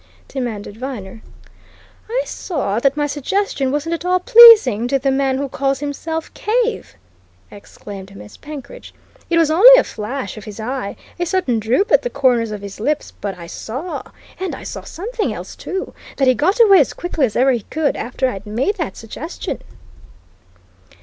demanded Viner. "I saw that my suggestion wasn't at all pleasing to the man who calls himself Cave!" exclaimed Miss Penkridge. "It was only a flash of his eye, a sudden droop at the corners of his lips but I saw! And I saw something else, too that he got away as quickly as ever he could after I'd made that suggestion."